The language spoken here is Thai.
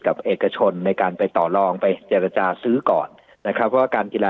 กับเอกชนในการไปต่อลองไปเจรจาซื้อก่อนนะครับว่าการกีฬา